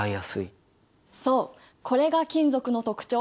そうこれが金属の特徴